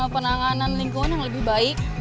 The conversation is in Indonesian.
penanganan lingkungan yang lebih baik